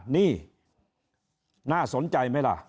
นี่น่าสนใจไหมล่ะ